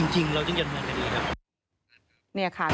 จริงเราจึงยังเหมือนกันดีครับ